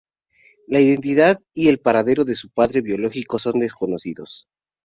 La identidad y el paradero de su padre biológico son desconocidos.